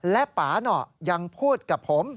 และป่าหน่อยังพูดกับผม